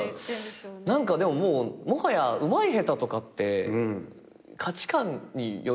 でももうもはやうまい下手とかって価値観によるから。